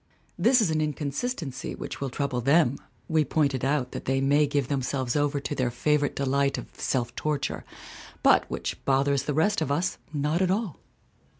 This is an inconsistency which will trouble them (we point it out that they may give themselves over to their favorite delight of self torture) but which bothers the rest of us not at all.